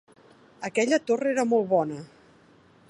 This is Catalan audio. Aquella torra era molt bona